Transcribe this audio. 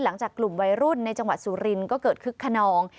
หลังจากกลุ่มวัยรุ่นในจังหวัดสุรินทร์ก็เกิดคึกขนอง